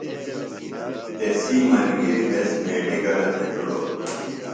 تسی ملگِریۡ تس میڈِکلہ تھےۡ ہِڑوۡ۔